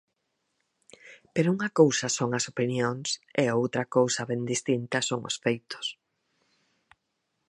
Pero unha cousa son as opinións e outra cousa ben distinta son os feitos.